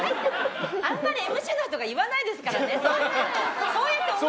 あんまりＭＣの人が言わないですからね。